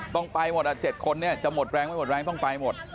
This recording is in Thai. ต้องไปหมด๗คนเนี่ยจะหมดแรงไม่หมดแรงต้องไปหมด